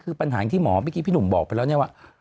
คือปัญหาที่หมอเมื่อกี้พี่หนุ่มบอกไปแล้วเนี่ยว่า